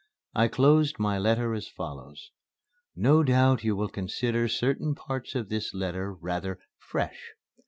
I closed my letter as follows: "No doubt you will consider certain parts of this letter rather 'fresh.'